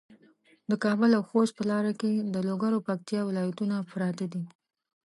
د کابل او خوست په لاره کې د لوګر او پکتیا ولایتونه پراته دي.